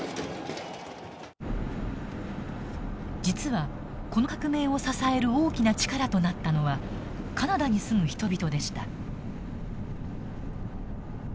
実はこの革命を支える大きな力となったのはカナダに住む人々でした。